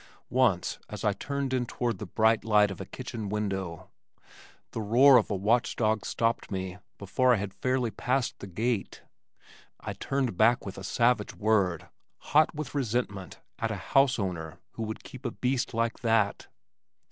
Once, as I turned in toward the bright light of a kitchen window, the roar of a watch dog stopped me before I had fairly passed the gate. I turned back with a savage word, hot with resentment at a house owner who would keep a beast like that.